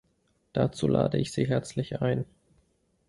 Dazu lade ich Sie herzlich ein.